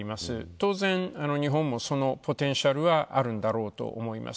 当然、日本もそのポテンシャルはあるんだろうと思います。